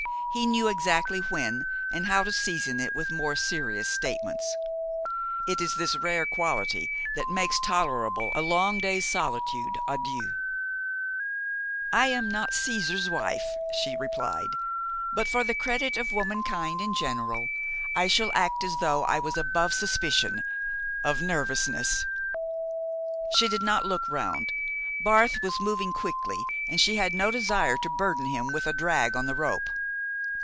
He knew exactly when and how to season it with more serious statements. It is this rare quality that makes tolerable a long day's solitude à deux. [Illustration: She flourished her ice axe bravely. Page 163] "I am not Cæsar's wife," she replied; "but for the credit of womankind in general I shall act as though I was above suspicion of nervousness." She did not look round. Barth was moving quickly, and she had no desire to burden him with a drag on the rope.